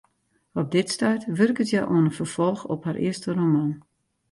Op dit stuit wurket hja oan in ferfolch op har earste roman.